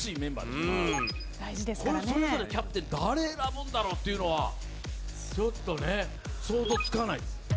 それぞれキャプテン誰選ぶんだろうっていうのはちょっとね想像つかないです。